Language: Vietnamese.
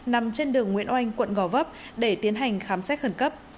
nằm trên đường nguyễn oanh quận gò vấp để tiến hành khám xét khẩn cấp